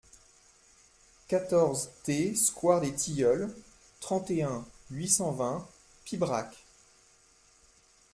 quatorze T sQUARE DES TILLEULS, trente et un, huit cent vingt, Pibrac